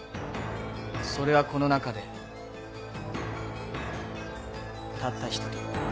それはこの中でたった１人。